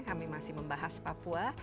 kami masih membahas papua